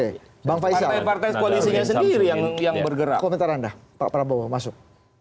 yang bergerak komentar anda pak prabowo masuk